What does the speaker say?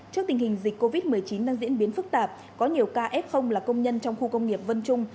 trước tình hình dịch covid một mươi chín đang diễn biến phức tạp có nhiều ca f là công nhân trong khu công nghiệp vân trung